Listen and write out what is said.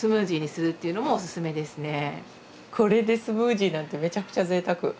これでスムージーなんてめちゃくちゃぜいたく。